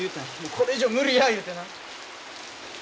これ以上無理や言うてな。